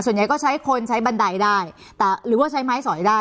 ใช้ก็ใช้คนใช้บันไดได้แต่หรือว่าใช้ไม้สอยได้